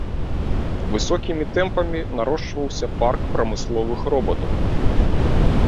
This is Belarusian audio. Высокімі тэмпамі нарошчваўся парк прамысловых робатаў.